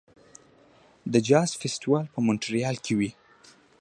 د جاز فستیوال په مونټریال کې وي.